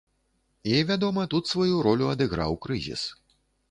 І, вядома, тут сваю ролю адыграў крызіс.